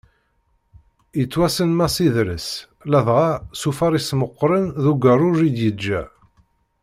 Yettwassen Mass Idres, ladɣa, s ufaris meqqren d ugerruj i d-yeǧǧa.